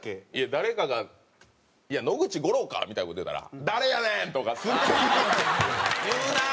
誰かが「いや野口五郎か！」みたいな事言うたら「誰やねん！」とか。言うなあ！